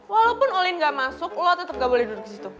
walaupun olin gak masuk lo tetep gak boleh duduk disitu